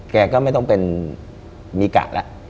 แกก็ไม่ต้องเป็นมีกะแล้ว